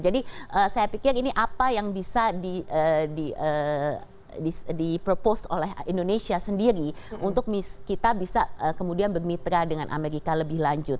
jadi saya pikir ini apa yang bisa di propose oleh indonesia sendiri untuk kita bisa kemudian bermitra dengan amerika lebih lanjut